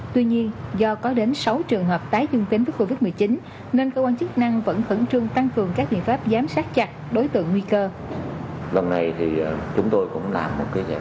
tuy nhiên do có đến sáu trường hợp tái dung tính với covid một mươi chín nên cơ quan chức năng vẫn khẩn trương tăng cường các biện pháp phòng dịch covid một mươi chín